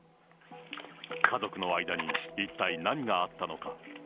家族の間に一体何があったのか。